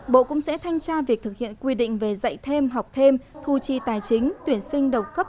bộ cũng sẽ thanh tra việc thực hiện quy định về dạy thêm học thêm thu chi tài chính tuyển sinh đầu cấp